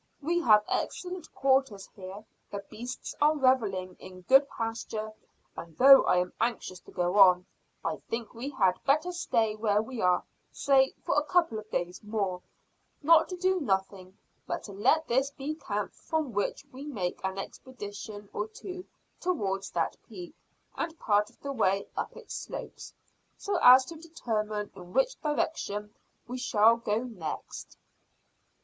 We have excellent quarters here, the beasts are revelling in good pasture, and though I am anxious to go on I think we had better stay where we are, say for a couple of days more, not to do nothing, but to let this be the camp from which we make an expedition or two towards that peak and part of the way up its slopes, so as to determine in which direction we shall go next."